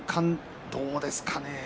どうですかね。